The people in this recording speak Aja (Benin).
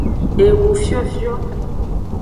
Enufiofio.